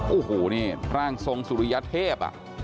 อู้หูนี่ร่างทรงสุริยเทพฯแล้ว